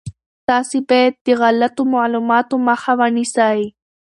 تاسي باید د غلطو معلوماتو مخه ونیسئ.